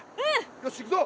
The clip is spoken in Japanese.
よしいくぞ！